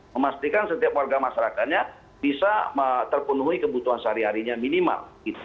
memastikan setiap warga masyarakatnya bisa terpenuhi kebutuhan sehari harinya minimal